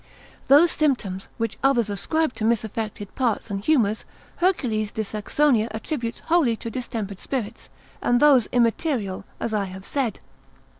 Those symptoms, which others ascribe to misaffected parts and humours, Herc. de Saxonia attributes wholly to distempered spirits, and those immaterial, as I have said.